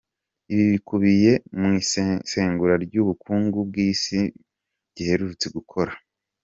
Ibi bikubiye mu isesengura ry'ubukungu bw'isi giherutse gukora.